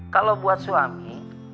kalau buat suami